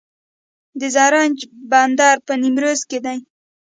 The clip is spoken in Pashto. د زرنج بندر په نیمروز کې دی